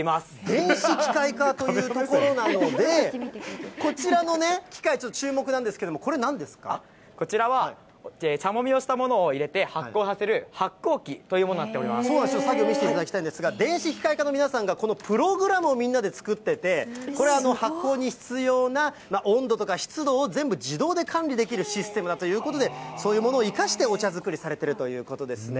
電子機械科というところなので、こちらのね、機械、ちょっと注目なんですけれども、これ、こちらは、茶もみをしたものを入れて発酵させる発酵機というものになっておそうなんですね、作業見せていただきたいんですが、電子機械科の皆さんが、このプログラムをみんなで作ってて、これ、発酵に必要な温度とか湿度を全部自動で管理できるシステムだということで、そういうものを生かして、お茶作りされているということですね。